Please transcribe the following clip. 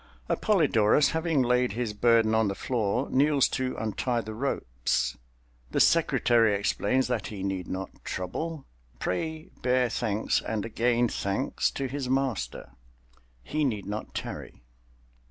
Appolidorus having laid his burden on the floor, kneels to untie the ropes. The secretary explains that he need not trouble, pray bear thanks and again thanks to his master—he need not tarry!